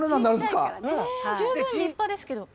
十分立派ですけど。